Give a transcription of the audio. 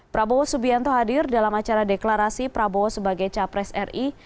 prabowo subianto hadir dalam acara deklarasi prabowo sebagai capres ri